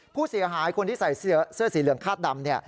ผู้เสียหายคนที่ใส่เสื้อสีเหลืองคาดดำ